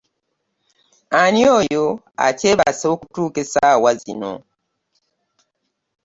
Ani oyo akyebase okutuuka essaawa zino?